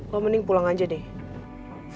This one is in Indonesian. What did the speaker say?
kalau mending pulang aja deh